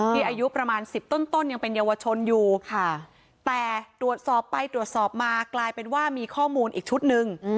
อายุประมาณ๑๐ต้นยังเป็นเยาวชนอยู่ค่ะแต่ตรวจสอบไปตรวจสอบมากลายเป็นว่ามีข้อมูลอีกชุดหนึ่ง